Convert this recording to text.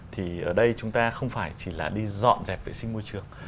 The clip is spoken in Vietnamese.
thì ở đây chúng ta không phải chỉ là đi dọn dẹp vệ sinh môi trường